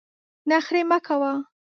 نخرې مه کوه !